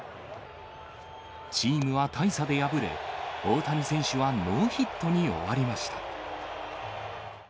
チームは大差で敗れ、大谷選手はノーヒットに終わりました。